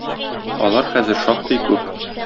Алар хәзер шактый күп.